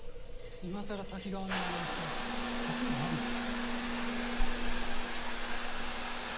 今更タキガワのまねをして勝ち目はあるのか？